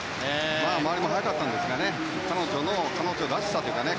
まあ、周りも速かったんですが彼女らしさというかね